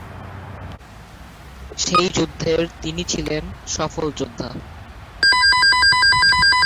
সেই যুদ্ধের তিনি ছিলেন সফল যোদ্ধা।